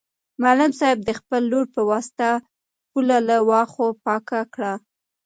معلم صاحب د خپل لور په واسطه پوله له واښو پاکه کړه.